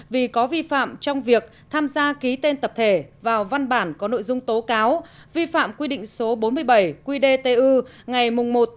vì có vi phạm trong việc tham gia ký tên tập thể vào văn bản có nội dung tố cáo vi phạm quy định số bốn mươi bảy quy đê t u ngày một một mươi một hai nghìn một mươi một